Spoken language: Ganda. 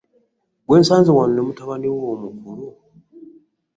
Gwe nsanze wano he mutabani wo omukulu?